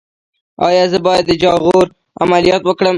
ایا زه باید د جاغور عملیات وکړم؟